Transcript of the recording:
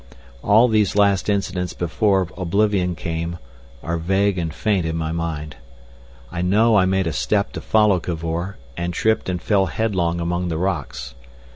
All these last incidents before oblivion came are vague and faint in my mind. I know I made a step to follow Cavor, and tripped and fell headlong among the rocks.